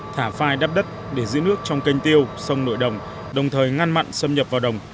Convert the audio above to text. thả phai đắp đất để giữ nước trong kênh tiêu sông nội đồng đồng thời ngăn mặn xâm nhập vào đồng